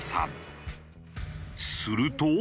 すると。